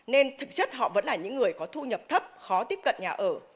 nên thực chất họ vẫn là những người có thu nhập thấp khó tiếp cận nhà ở